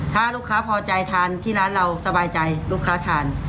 ถ้าลูกค้าพอใจทานที่ร้านเราสบายใจลูกค้าทาน